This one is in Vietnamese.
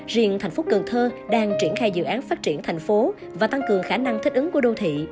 riêng thành phố cần thơ đang triển khai dự án phát triển thành phố và tăng cường khả năng thích ứng của đô thị